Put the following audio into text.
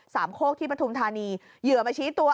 โคกที่ปฐุมธานีเหยื่อมาชี้ตัว